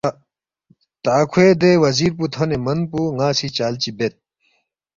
تا کھوے دے وزیر پو تھونے من پو ن٘ا سی چال چی بید